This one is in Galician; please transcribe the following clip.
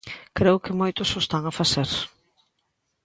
Creo que moitos o están a facer.